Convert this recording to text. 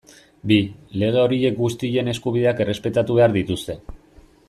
Bi, lege horiek guztien eskubideak errespetatu behar dituzte.